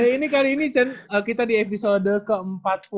ini kali ini cun kita di episode ke empat puluh berapa ya bu